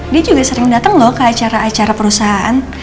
dia juga sering datang loh ke acara acara perusahaan